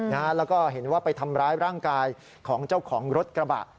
แล้วก็เห็นว่าไปทำร้ายร่างกายของเจ้าของรถกระบะ